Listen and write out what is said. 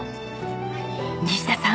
西田さん